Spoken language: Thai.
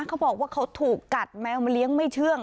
เขาบอกว่าเขาถูกกัดแมวมาเลี้ยงไม่เชื่อง